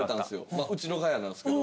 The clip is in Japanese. まあ『ウチのガヤ』なんですけど。